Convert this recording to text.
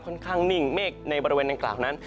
นิ่งเมฆในบริเวณดังกล่าวนั้น